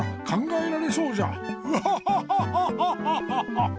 ワハハハハハハハハ！